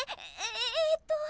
えっと。